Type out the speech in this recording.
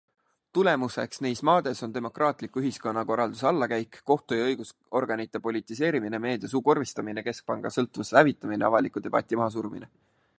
Tulemuseks neis maades on demokraatliku ühiskonnakorralduse allakäik - kohtu ja õiguskaitseorganite politiseerimine, meedia suukorvistamine, keskpanga sõltumatuse hävitamine, avaliku debati mahasurumine jms.